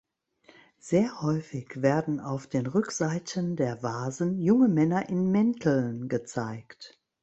Sehr häufig werden auf den Rückseiten der Vasen junge Männer in Mänteln gezeigt.